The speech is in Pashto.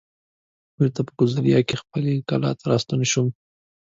بېرته په ګوریزیا کې خپلې کلا ته راستون شوم.